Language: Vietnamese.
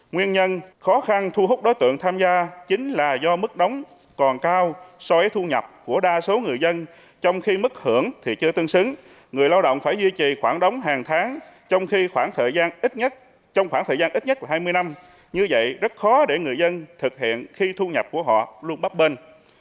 nguyên nhân khó khăn thu hút đối tượng tham gia chính là do mức đóng còn cao so với thu nhập của đa số người dân trong khi mức hưởng thì chưa tương xứng người lao động phải duy trì khoảng đóng hàng tháng trong khi khoảng thời gian ít nhất trong khoảng thời gian ít nhất hai mươi năm như vậy rất khó để người dân thực hiện khi thu nhập của họ luôn bắp bên